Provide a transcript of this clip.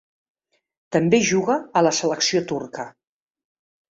També juga a la selecció turca.